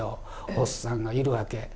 おっさんがいるわけ。